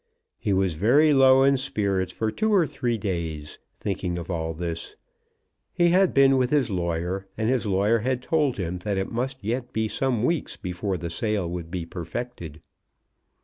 He was very low in spirits for two or three days, thinking of all this. He had been with his lawyer, and his lawyer had told him that it must yet be some weeks before the sale would be perfected.